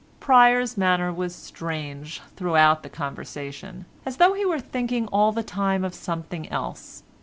Pryer's manner was strange throughout the conversation, as though he were thinking all the time of something else.